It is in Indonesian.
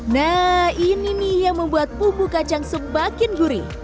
nah ini nih yang membuat bumbu kacang semakin gurih